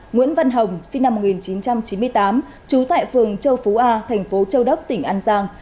nguyễn văn hồng sinh năm một nghìn chín trăm chín mươi tám trú tại phường châu phú a thành phố châu đốc tỉnh an giang